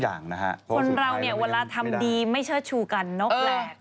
คนเราเวลาทำดีไม่เชิดชูกันนกแหละ